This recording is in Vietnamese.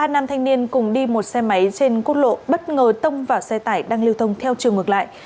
ba nam thanh niên cùng đi một xe máy trên quốc lộ bất ngờ tông vào xe tải đang lưu thông theo chiều ngược lại